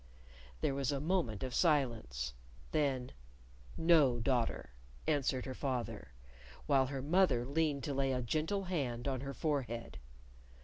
There was a moment of silence. Then, "No, daughter," answered her father, while her mother leaned to lay a gentle hand on her forehead.